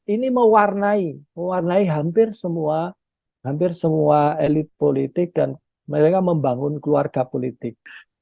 ini mewarnai hampir semua hampir semua elit politik dan mereka membangun keluarga politik